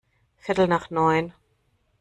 Viertel nach neun.